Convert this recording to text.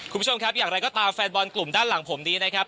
คุณผู้ชมครับอย่างไรก็ตามแฟนบอลกลุ่มด้านหลังผมนี้นะครับ